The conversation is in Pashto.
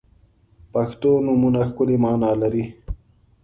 • پښتو نومونه ښکلی معنا لري.